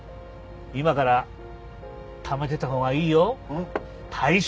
今からためてたほうがいいよ。